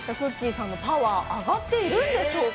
さんのパワーは上がっているんでしょうか。